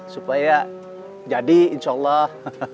supaya jadi insya allah